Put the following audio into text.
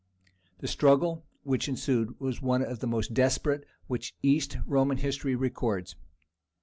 The struggle which ensued was one of the most desperate which East Roman history records.